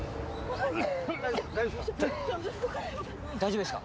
・大丈夫ですか？